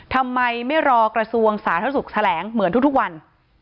ทำไมไม่รอกระทรวงสาธารณสุขแถลงเหมือนทุกวัน